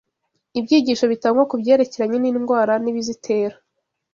Ibyigisho bitangwa ku byerekeranye n’indwara n’ibizitera